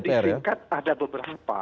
kemudian disingkat ada beberapa